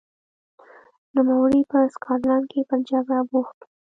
نوموړی په سکاټلند کې پر جګړه بوخت و.